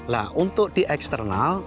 nah untuk di eksternal